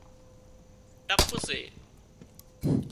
ٽپ سي